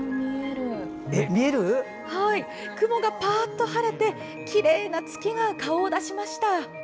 雲がパーッと晴れてきれいな月が顔を出しました。